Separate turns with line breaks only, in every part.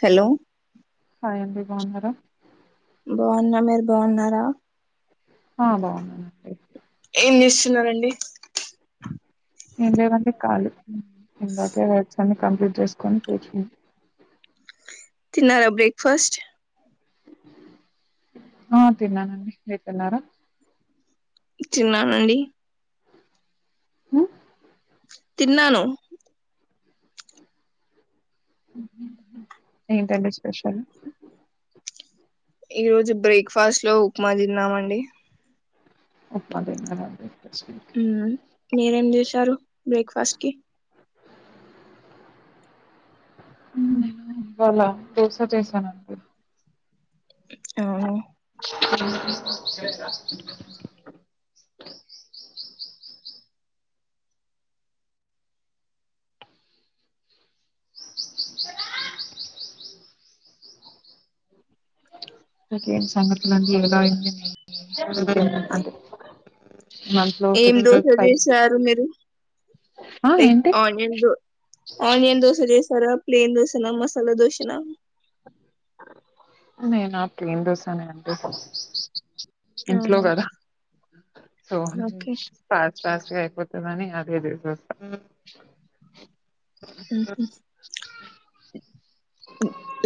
Hello
సాడి బాగున్నారుార
బాగున్న మీరు బాగున్నారా
ఆ బాగున్నా
ున్నారంండి
ఇ వంది కాలు ఇందాకేదచ్చ కంప్లీట్ చెస్కొని
తిన్నారా బ్రేక్ ఫాస్ట్
ఆ తిన్నానండి మీరు తిన్నారా
చిన్నానండి
హ
తిన్నాను
ఏంటండి స్పెషల్
ఈ రోజు బ్రేక్ఫాస్ట్ లో ఉప్మా తిన్నామండి
ఒ అదే మ అదే
మీరేం చేశారు బ్రేక్ఫాస్ట్కి
వాల బోసా చేసానుంతే
ఆ
ఇంకేంటి సంగతులు అంది ఎలా అయ్యిందీ ఏంటి
ఏం దోశ చేసారు మీరు
ఆ
లైక్
ఏంటి
ఆనియన్ ఆనియన్ దోశ చేసారుా ప్లేన్ దోశనా మసాలా దోశన
నే నా ప్ర ఎంతోసానే అడి ఇంట్లో
అవును
కదా సో
ఓకే
ఫస్ పోతే న అగే ద
ఊహు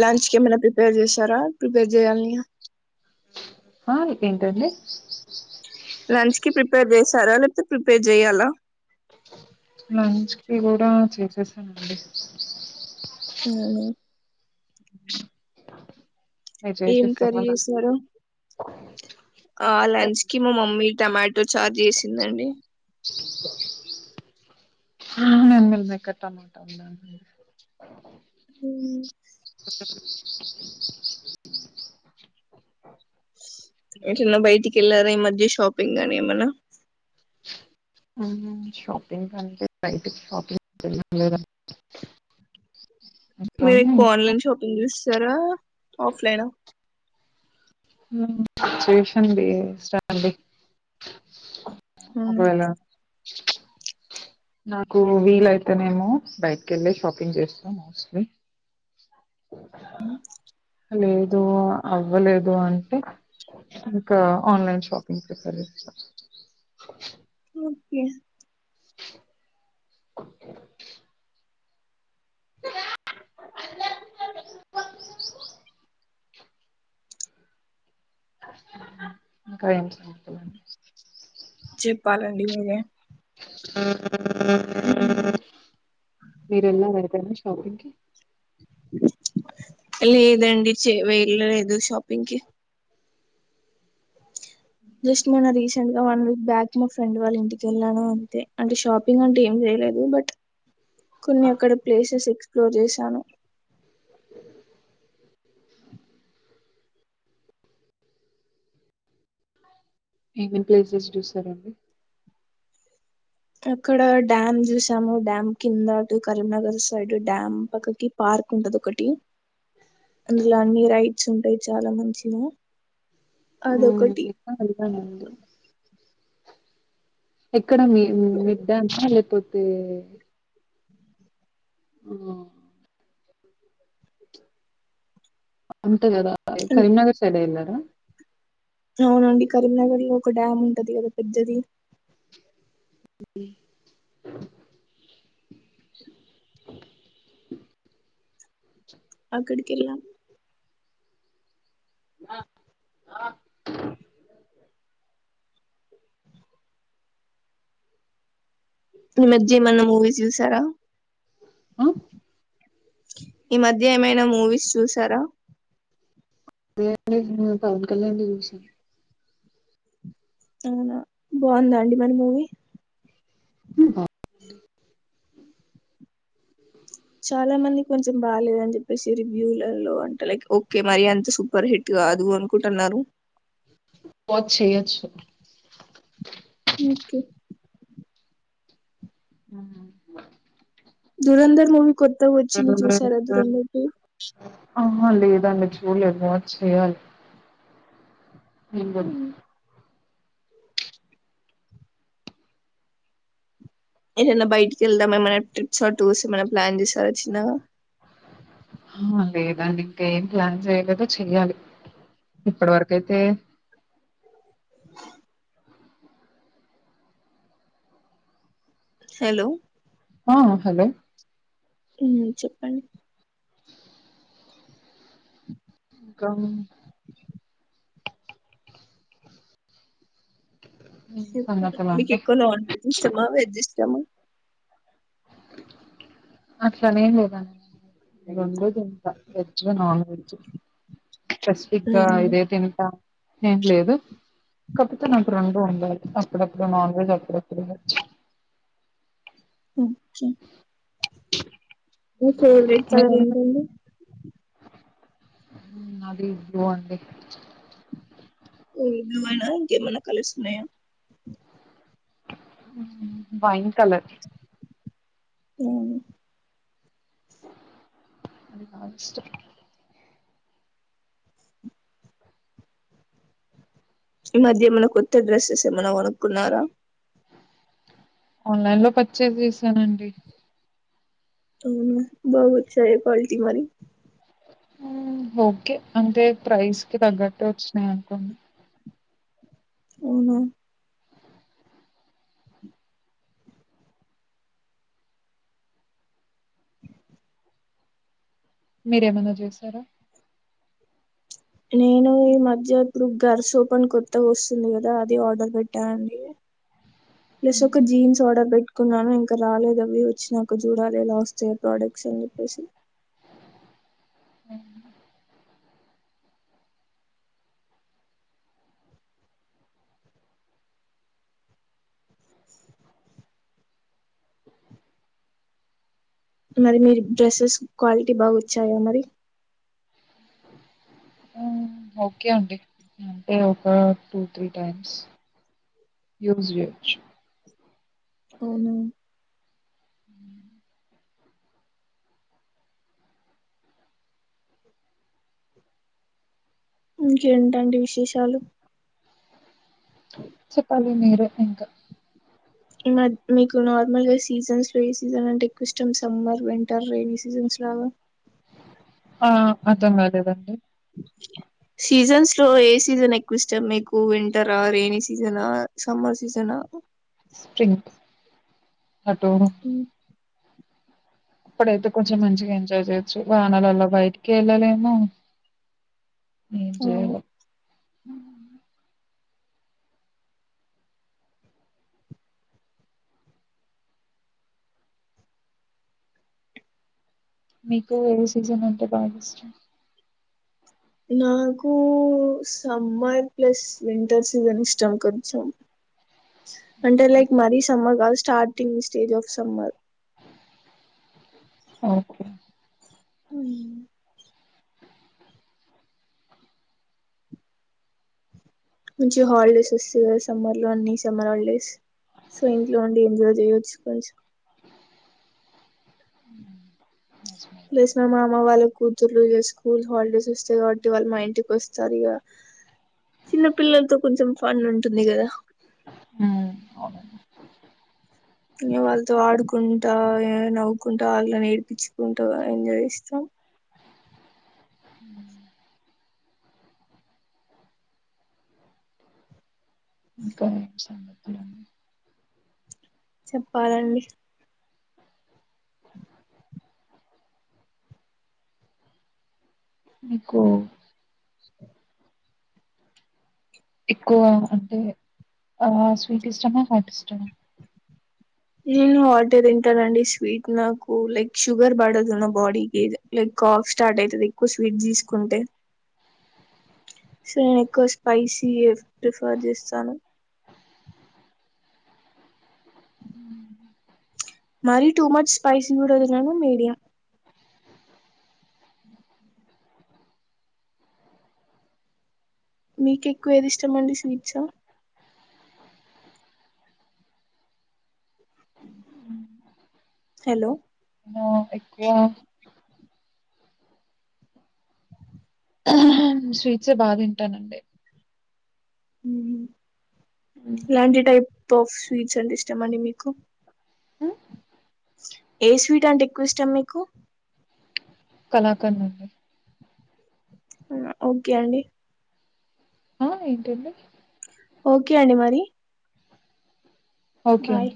లంచ్ కేమైనా ప్రీపే పేర్ చేశారా ప్రిపేర్ చేయాల్న్నిగ
హా ఏంటండీ
సరా లేకపోతే ప్రిపేర్ చెయ్యాలా
లంచ్ కి కూడా చేసేసానండి.
అవునా
మీరు
ఏం
చేసేసారా
కర్రీ
లంచ్
చేసారు. ఆ లంచ్కి మ మమ్మీ టమాటో ఛార్ చేసిందండి.
అవునా మీ మమ్మీ కాడా టమాటా ఉందా అండి.
కెల్లారా ఈ మధ్య షాపింగానీ ఏమైనా
మ్మ్ షాపింగ్ అంటే బయటికి షాపింగ్ [inaudible] ఇంకా
మీకు ఆన్లైన్ షాపింగ్ చేస్ స్తారా ఆఫ్ లైనా
ఊ చేషండి. [unintelligible] ఒకవేళ నాకు వీలయితేనేమో బైట్కెళ్ళి షాపింగ్ చేస్తా మోస్ట్లీ స లేదు అవ్వలేదు అంటే ఇంకా ఆన్లైన్ షాపింగ్ ప్రిఫర్ చేస్తా
ఓకే
[unintelligible]
చెప్పాలండి మీరే
ఊ మీరేల్లారా ఎటైనా షాపింగ్కి
లేదండి చే వెేల్లలేదు షాపింగ్కిి జస్ట్ నిన్న రీసెంట్ గా వన్ వీక్ బ్యాక్ మా ఫ్రెండ్ వాళ్ళ ఇంటికి వెళ్ళాను అంతే అంటే షాపింగ్ అంటే ఏం చేయలేదు బట్ కొన్ని అక్కడ ప్లేసెస్ ఎక్స్ లో జేషాను.
ఏమేమి ప్లేసెస్ చూసారండి.
అక్కడ డ్యామ్ చూసాము డ్యామ్ కింద అటు కరీంనగర్ సైడ్ డ్యామ్ పక్కకి పార్క్ ఉంటది. ఒకటి అందులో అన్ని రైడ్స్ ఉంటాయి. చాలా మంచిగా అదొకటి
ఆ [unintelligible] అండి. ఎక్కడ మీ మీద్దంతా లేకపోతే ఆ అంతే గద. కరీంనగర్ సైడ్ ఎల్ అ
అవునండి కరీంనగర్ లో ఒక డ్యామ్ ఉంటది కదా పెద్దది
అ
చె
అ
అక్కడికి వెళ్ళాం
ఆ
ఈ మధ్య ఏమన్నా మూవీస్ చూసారా
ఆ
ఈ మధ్య ఏమైనా మూవీస్ చూసారా
[unintelligible] పవన్ కళ్యాణ్ ది చూసానా
అవునా బాగుందా అండి మరి మూవీ
ా
చాలా మంది కొంచెం బాలేదని చెప్పేసి రివ్యూలలో అంటే లైక్ ఓకే మరి అంత సూపర్ హిట్గా కాదు అనుకుంటున్నారు
[unintelligible] చేయచ్చు
ఓకే
ఉ
దూరందర్ మూవీ కొత్త వచ్చింది చూసార దూరందర్ టు
ఆహా లేదండి చూడలేదు వాచ్ చెయాలి ని కూడా
ఏదైనా బయటికి వెళ్దామ ఏమైన్నా ట్రిప్స్ ఆర్ టూర్స్ ఏమైనా ప్లాన్ చేస్తారా చిన్నగా
ఆ లేదండి ఇంకా ఏం ప్లాన్ చేయలేదో చెయ్యాలి ఇప్పటి వరక అయితే
హలో
ఆ హలో
ఉ చెప్పండి
కా ఏం
మీకు
సంగతులండి
ఎక్కువ నాన్ వెజ్ ఇష్టమా వెజ్ ఇష్టమా
అట్ల అని ఏం లేదండి ఈ రెండ రోజులు వెజ్ నోన్ వెెజ్ స్పెసిఫిక్ గా
అవును
ఇదే తినటం ఏం లేదు కాకపోతే నాకు రెండు ఉండాలి అప్పుడప్పుడు నాన్ వెజ్ అప్పుడప్పుడు వెజ్
ఒకే మీ ఫేవరెట్ కలర్
మీరేం
ఏంటడి
అది [unintelligible]
[unintelligible] ఇంకేమన్నా కలుస్తున్నాయా
బాయ్ కలర్
[unintelligible]
అది బగా ఇష్టం
ఈ మధ్య ఏమైనా కొత్త డ్రెస్సెస్ ఏమైన్నా కొనుకున్నారా
ఆన్లైన్ లో పర్చేస్ చేసానండి
ఉమ్ బా ఓచ్చాయ క్వాలిటీ మరి.
ఓకే అంటే ప్రైస్ కి తగ్గట్టు వచ్చినాయి అనుకోండి.
అవునా
మీరేమన్నా చేశారా.
నేను ఈ మధ్య ఇప్పుడు గర్ సోప్ అని కొత్తగా వస్తుంది కదా అది ఆర్డర్ పెట్టానండి. ప్లస్ ఒక జీన్స్ ఆర్డర్ పెట్ కున్నాను ఇంకా రాలేదు. అవి వచ్చి నాకు చూడాలి ఎలా వస్తాయ ప్రోడక్ట్స్ అని చెప్పేసి.
అ [inaudible]
మరి మీ డ్రెస్సెస్ క్వాలిటీ బాగా వచ్చాయా మరి.
ఓకే అండి అంటే ఒక టూ త్రీ టైమ్స్ యూస్ చేయొచ్చు.
అవున ఇంకేంటండి విశేషాలు.
చెప్పాలి మీరే ఇంకా
మీకు నార్మల్గా సీజన్స్లో ఏ సీజన్ అంటే ఎక్కువ ఇష్టం. సమ్మర్, వింటర్, రెనీ సీజన్స్ లాగా
ఆ అర్థం కాలేదండి.
ఇలో ఏ సీజన్ ఎక్కువ ఇష్టం. మీకు వింటరా, రేనీ సీజనా, సమ్మర్ సీజనా.
స్ప్రింగ్క్. అటూ అప్పుడైతే కొంచెం మంచిగా ఎంజాయ్ చేయొచ్చు వానాలలా బయటికి వెళ్ళలేమో. ఏం
అవును
జేయలేము. హ మీకు ఏ సీజన్ అంటే బాగా ఇష్టం.
నాకు సమ్మర్ ప్లస్ వింటర్, సీజన్ ఇష్టం కొంచెం అంటే లైక్ మరీ సమ్మర్ కాదు. Starting stage of summer
okay
ఉం మంచి హాలిడేస్ వస్తు కదా సమ్మర్లో అన్ని సమ్మర్ హాలిడేస్ సో ఇంట్లో నుండి ఎంజాయ్ చేయచ్చు కొంచెం.
హ
ప్లేస్ మ మామ వాళ్ళలకు పలు స్కూల్ హాలిడేస్ వస్తాయి కాబట్టి వాళ్ళు మా ఇంటికి వస్తారు ఇక చిన్న పిల్లలతో కొంచెం ఫన్ ఉంటుంది కదా
ఉ అవున
వాళ్ళతో ఆడుకుంటా, నవ్వుకుంటా వాళ్లను ఏడిపించుకుంటా ఎంజాయ్ చేస్తాం.
అ కానీ స [unintelligible] అ
చెప్పాలండి.
మీకు ఎక్కువ అంటే ఆ స్వీట్ ఇష్టమా హాట్ ఇష్టమా.
నేను హాట్ తింటానండి. స్వీట్ నాకు లైక్ షుగర్ పడదు. నా బాడీకి లైక్ కాఫ్ స్టార్ట్ అవుతది ఎక్కువ స్వీట్ తీసుకుంటే సో నేను ఎక్కువ స్పైసీ ప్రిఫర్ చేస్తాను. మరి టూ మచ్ స్పైసి కూడా తినను మీడియం. మీకు ఎక్కువ ఏది ఇష్టమండి స్వీట్స్ ఆ హలో
ఎక్కువ స్వీట్సే బాగా తింటానండి. హ్మ్.
ఏలాంటి టైప్. టాఫ్ స్వీట్స్ అంటే ఇష్టామ అండి మీకు
హ
ఏ స్వీట్ అంటే ఎక్కువ ఇష్టం మీకు
కళాకర్ నుడి
ఓకే అండి
ఆ ఏంటింటడి
ఓకే అండి మరి
ఓకే
బాయ్
అండి